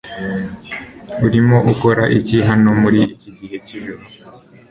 Urimo ukora iki hano muri iki gihe cyijoro